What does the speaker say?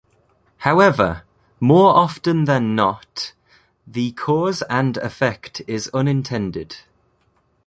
However, more often than not, the cause and effect is unintended.